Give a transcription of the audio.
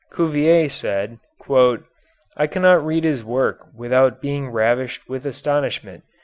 Cuvier said: "I cannot read his work without being ravished with astonishment.